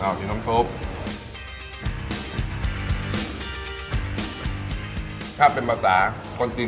บางคนจะเป็นมีความเนี๊ยว